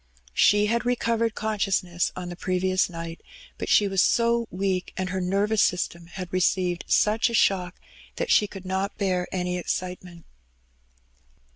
She had recovered conscious ness on the previous nighty but she was so weak^ and her nervous system had received such a shocks that she could not bear any excitement.